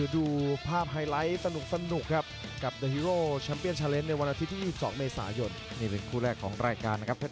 รายการไฮไลท์เลยสวัสดีครับ